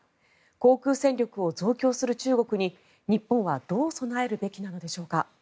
航空戦力を増強する中国に日本はどう備えるべきなのでしょうか。